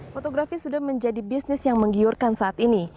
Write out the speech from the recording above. fotografi sudah menjadi bisnis yang menggiurkan saat ini